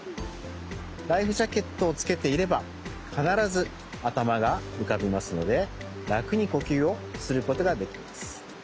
ライフジャケットをつけていればかならずあたまがうかびますのでらくにこきゅうをすることができます。